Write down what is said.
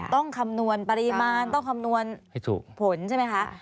ต้องคำนวณปริมาณต้องคำนวณผลใช่ไหมคะ